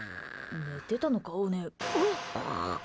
寝てたのか、おねえ。うっ！